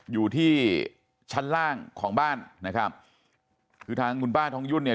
อยู่ที่ชั้นล่างของบ้านนะครับคือทางคุณป้าทองยุ่นเนี่ย